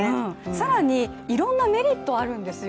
更にいろんなメリットあるんですよ。